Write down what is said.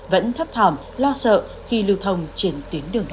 vẫn thấp thỏm lo sợ khi lưu thông triển tuyến đường này